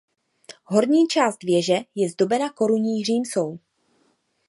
Horní část věže je zdobena korunní římsou.